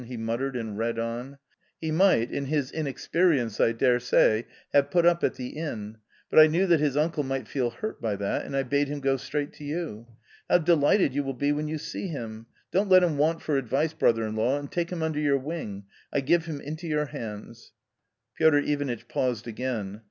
" he muttered and read on :" He might, in his inexperience, I daresay, have put up at the inn, but I knew that his uncle might feel hurt by that, and I bade him go straight to you. How delighted you will be when you see him ! Don't let him want for advice, brother in law, and take him under your wing ; I give him into your hands." Piotr Ivanitch paused again.